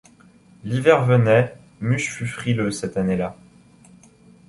L’hiver venait ; Muche fut frileux, cette année-là.